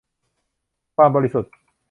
ความบริสุทธิ์